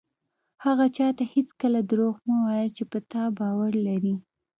هغه چاته هېڅکله دروغ مه وایه چې په تا باور لري.